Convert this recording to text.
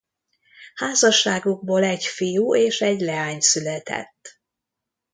Házasságukból egy fiú és egy leány született.